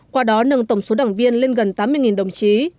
qua đó nâng tổng số đảng viên lên gần tám mươi đồng chí